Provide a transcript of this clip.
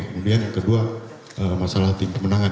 kemudian yang kedua masalah tim pemenangan